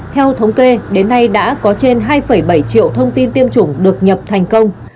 theo thống kê đến nay đã có trên hai bảy triệu thông tin tiêm chủng được nhập thành công